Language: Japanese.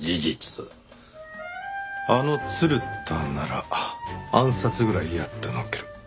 あの鶴田なら暗殺ぐらいやってのける。